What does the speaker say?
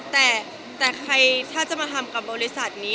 แต่ใครถ้าจะมาทำกับบริษัทนี้